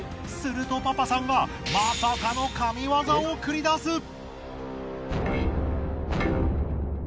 するとパパさんはまさかの神業を繰り出す！